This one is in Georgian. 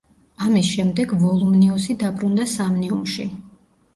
ამის შემდეგ ვოლუმნიუსი დაბრუნდა სამნიუმში.